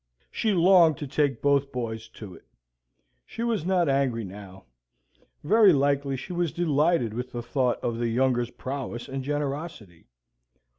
She longed to take both boys to it. She was not angry now. Very likely she was delighted with the thought of the younger's prowess and generosity.